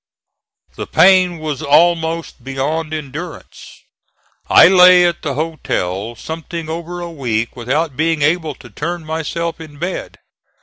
The pain was almost beyond endurance. I lay at the hotel something over a week without being able to turn myself in bed.